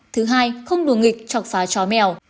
thứ hai không đùa nghịch chọc phá chó mèo